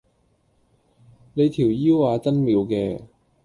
你條腰吖真妙嘅